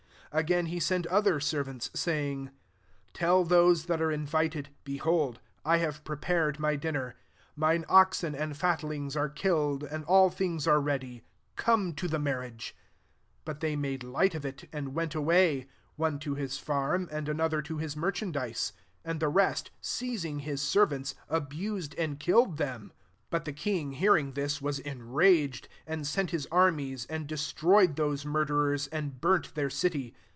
4 Again he sei|t other servants, saying, * Tell those that are in titedi Beholdt I have prepared my dinner ; mifie oxen and fat ^ lings are killed and all things ar4, ready ; come to the marriage.' I But they made light of ity ant went away, one to his farm. aiM another to his merchandise and the rest, seizing his servants^ abused and killed them. 7 ^ But the king hearing thU^ was enraged ; and sent his ar* mies, and destroyed those mur derers, and burnt their city.